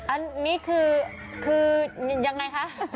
อันนี้คือยังไงคะ